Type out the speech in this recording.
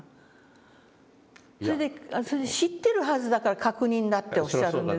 それで知ってるはずだから確認だっておっしゃるんです。